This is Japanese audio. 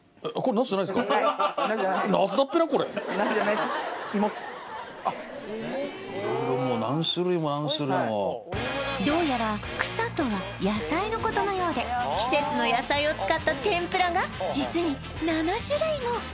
ナスじゃないナスじゃないっすどうやら草とは野菜のことのようで季節の野菜を使った天ぷらが実に７種類も！